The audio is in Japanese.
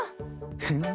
ふん。